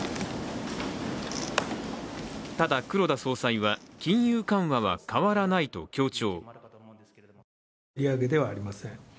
ただ、黒田総裁は金融緩和は変わらないと強調。